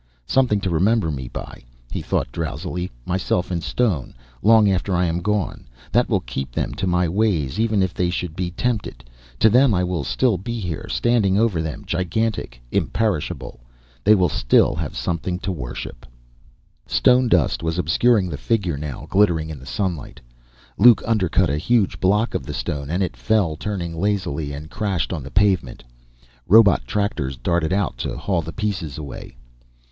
Something to remember Me by, He thought drowsily. Myself in stone, long after I am gone. That will keep them to My ways, even if they should be tempted. To them I will still be here, standing over them, gigantic, imperishable. They will still have something to worship. Stone dust was obscuring the figure now, glittering in the sunlight. Luke undercut a huge block of the stone and it fell, turning lazily, and crashed on the pavement. Robot tractors darted out to haul the pieces away.